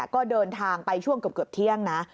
ก็เดินทางไปช่วงเกือบเที่ยงนะ